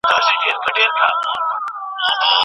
د بیان علم په پوره دقت سره ولولئ.